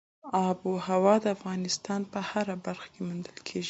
آب وهوا د افغانستان په هره برخه کې موندل کېږي.